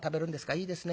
いいですね。